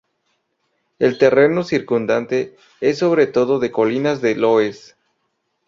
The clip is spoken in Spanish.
El terreno circundante es sobre todo de colinas de loess.